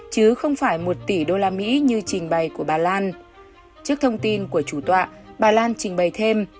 chứ không phải một tỷ usd như trình bày của bà lan trước thông tin của chủ tọa bà lan trình bày thêm